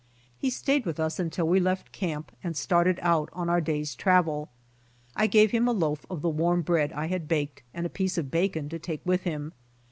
He stayed with us until we left camp and started out on our day's travel. I gave him a loaf of the warm bread I had baked and a piece of bacon to take with him.